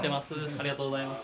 ありがとうございます。